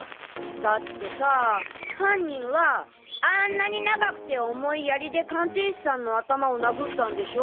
だってさぁ犯人はあんなに長くて重い槍で鑑定士さんの頭を殴ったんでしょ？